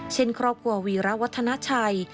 เช่นครอบครัววีระวัฒนาชัย